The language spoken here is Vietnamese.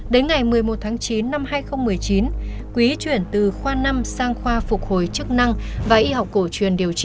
đến ngày một mươi một tháng chín năm hai nghìn một mươi chín quý chuyển từ khoa năm sang khoa phục hồi chức năng và y học cổ truyền điều trị